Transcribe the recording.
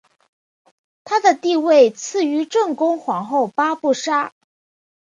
她的地位次于正宫皇后八不沙。